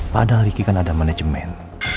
padahal ricky kan ada manajemen